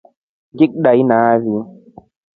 Ngikukundi nai.